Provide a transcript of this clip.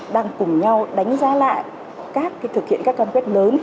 đang cùng nhau đánh giá lại các thực hiện các cam kết lớn